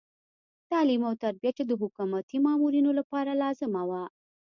تعلیم او تربیه چې د حکومتي مامورینو لپاره لازمه وه.